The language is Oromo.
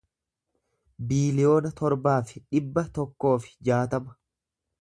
biiliyoona torbaa fi dhibba tokkoo fi jaatama